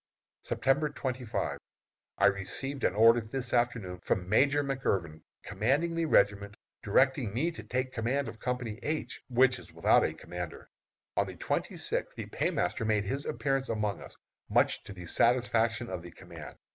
September 25. I received an order this afternoon from Major McIrvin, commanding the regiment, directing me to take command of Company H, which is without a commander. On the twenty sixth the paymaster made his appearance among us, much to the satisfaction of the command.